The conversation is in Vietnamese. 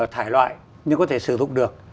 thải loại nhưng có thể sử dụng được